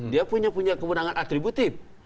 dia punya punya kewenangan atributif